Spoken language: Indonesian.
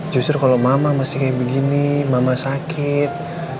justru kalau mama masih kayak begini mama sakit